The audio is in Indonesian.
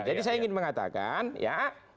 jadi saya ingin mengatakan ya